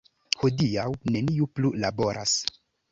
Hodiaŭ neniu plu laboras.